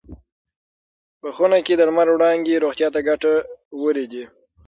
په خونه کې د لمر وړانګې روغتیا ته ګټورې دي.